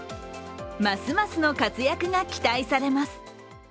ますますの活躍が期待されます。